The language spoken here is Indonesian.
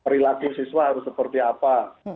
perilaku siswa harus seperti apa